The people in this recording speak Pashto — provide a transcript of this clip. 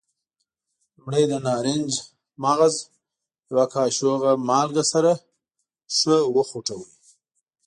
لومړی د نارنج مغز او یوه کاشوغه مالګه سره ښه وخوټوئ.